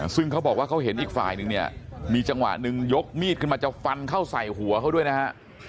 ซึ่งเขาบอกว่าเขาเห็นอีกฝ่ายนึงเนี่ยมีจังหวะหนึ่งยกมีดขึ้นมาจะฟันเข้าใส่หัวเขาด้วยนะฮะ